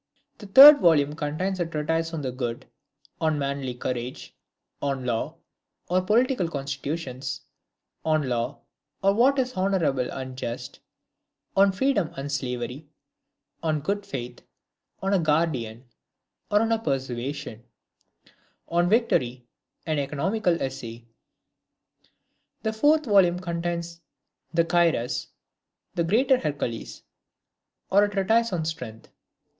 The third volume contains a treatise on the Good ; on Manly Courage ; on Law, or Political Constitutions ; on Law, or what is Honourable and Just ; on Freedom and Slavery ; on Good Faith; on a Guardian, or on Persuasion; on Victory, an economical essay. The fourth volume contains the Cyrus ; the Greater Heracles, or a treatise on Strength.